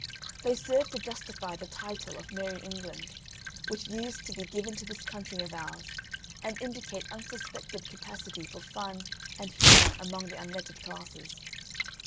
They serve to justify the title of Merrie England, which used to be given to this country of ours, and indicate unsuspected capacity for fun and humour among the unlettered classes.